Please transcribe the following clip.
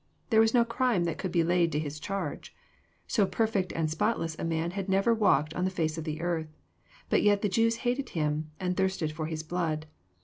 There was no crime that could be laid to His charge. So perfect and spotless a man had never walked on the face of this earth. But yet the Jews hated Him, and thirsted for His blood.